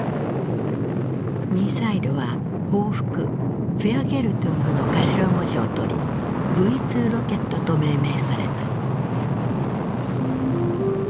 ミサイルは「報復」「Ｖｅｒｇｅｌｔｕｎｇ」の頭文字を取りＶ２ロケットと命名された。